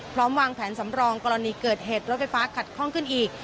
พร้อมวางแผนสำรองกรณีเกิดเหตุรถไฟฟ้าขัดข้องขึ้นอีก